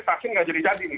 vaksin nggak jadi jadi nih